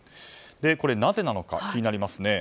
なぜなのか、気になりますね。